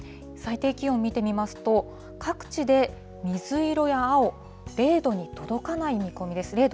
最低気温見てみますと、各地で水色や青、０度に届かない見込みです。